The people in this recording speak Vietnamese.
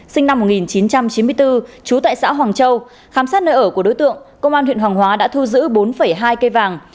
sinh năm một nghìn chín trăm chín mươi bốn trú tại xã hoàng châu khám xét nơi ở của đối tượng công an huyện hoàng hóa đã thu giữ bốn hai cây vàng